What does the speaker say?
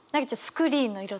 スクリーン色。